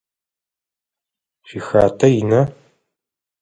Шъуихатэ ина?